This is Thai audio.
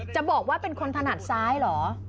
จะบอกว่าเป็นคนถนัดซ้ายเหรอ